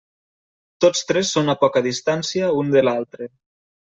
Tots tres són a poca distància un de l'altre.